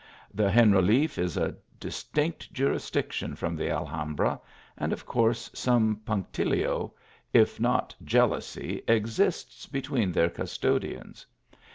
The Generaliffe is a distinct jurisdiction from the Alhambra, and of course some punctilio, if not jeal ousy, exists between their custodians.